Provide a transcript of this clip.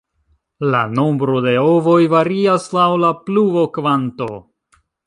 La nombro de ovoj varias laŭ la pluvokvanto.